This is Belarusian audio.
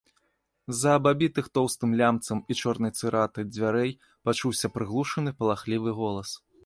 З-за абабітых тоўстым лямцам і чорнай цыратай дзвярэй пачуўся прыглушаны, палахлівы голас.